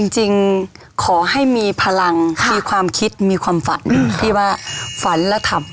จริงขอให้มีพลังมีความคิดมีความฝันที่ว่าฝันและทำ